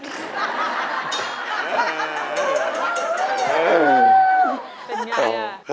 เป็นอย่างไร